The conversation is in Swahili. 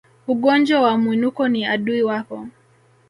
Ugonjwa wa Mwinuko ni adui wako